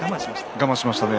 我慢しましたね。